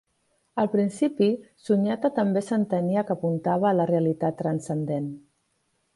Al principi, Sunyata també s'entenia que apuntava a la realitat transcendent.